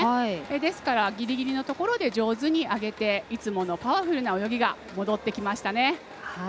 ですから、ギリギリのところで上手に上げていつものパワフルな泳ぎが戻ってきましたね。